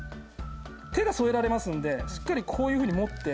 手が添えられますんでしっかりこういうふうに持って。